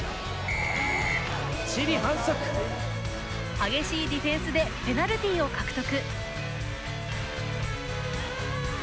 激しいディフェンスでペナルティを獲得。